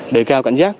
đề cao cảnh giác